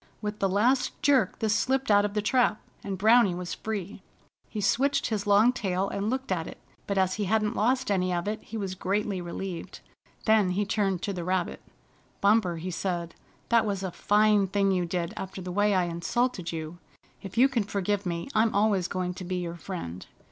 With the last jerk this slipped out of the trap, and Browny was free. He switched his long tail, and looked at it, but as he hadn't lost any of it he was greatly relieved. Then he turned to the rabbit. "Bumper," he said, "that was a fine thing to do after the way I insulted you. If you can forgive me I'm always going to be your friend.